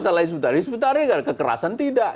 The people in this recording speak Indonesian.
salahnya sebenarnya kekerasan tidak